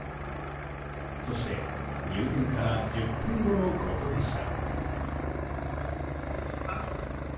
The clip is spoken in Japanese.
そして、入店から１０分後のことでした。